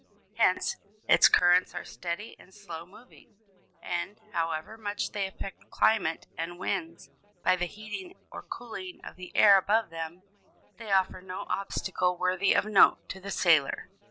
Hence, its currents are steady and slow moving, and, however much they affect climate and winds by the heating or cooling of the air above them, they offer no obstacle worthy of note to the sailor.